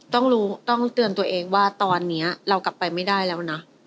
ต้องเตือนตัวเองว่าตอนนี้เรากลับไปไม่ได้แล้วนะ